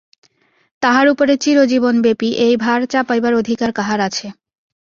তাহার উপরে চিরজীবনব্যাপী এই ভার চাপাইবার অধিকার কাহার আছে!